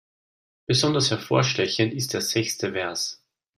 Besonders hervorstechend ist der sechste Vers.